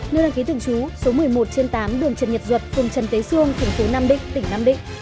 nêu đăng ký tưởng chú số một mươi một trên tám đường trần nhật duật phường trần tế xuân thành phố nam định tỉnh nam định